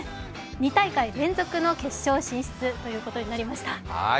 ２大会連続の決勝進出ということになりました。